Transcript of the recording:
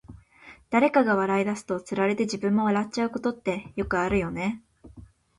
誰かが笑い出すと、つられて自分も笑っちゃうことってよくあるよね。